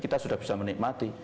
kita sudah bisa menikmati